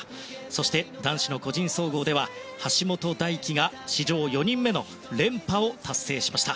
そして、男子の個人総合では橋本大輝が史上４人目の連覇を達成しました。